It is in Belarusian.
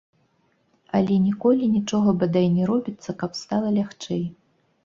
Але ніколі нічога бадай не робіцца, каб стала лягчэй.